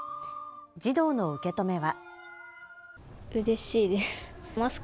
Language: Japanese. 児童の受け止めは。